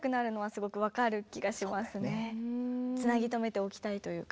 つなぎとめておきたいというか。